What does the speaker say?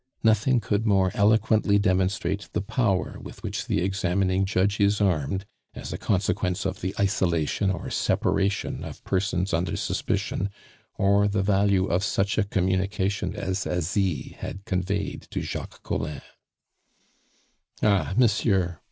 Nothing could more eloquently demonstrate the power with which the examining judge is armed, as a consequence of the isolation or separation of persons under suspicion, or the value of such a communication as Asie had conveyed to Jacques Collin. "Ah, monsieur!"